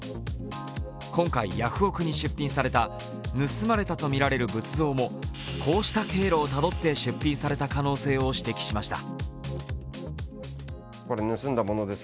今回、ヤフオク！に出品された盗まれたとみられる仏像もこうした経路をたどって出品された可能性を指摘しました。